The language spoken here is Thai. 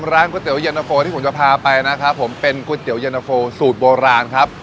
ก๋วยเตี๋ยันตะโฟที่ผมจะพาไปนะครับผมเป็นก๋วเตี๋ยันโฟสูตรโบราณครับ